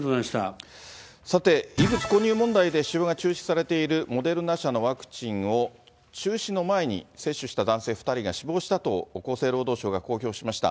さて、異物混入問題で使用が中止されている、モデルナ社のワクチンを、中止の前に接種した男性２人が死亡したと厚生労働省が公表しました。